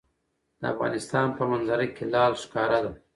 د افغانستان په منظره کې لعل ښکاره ده.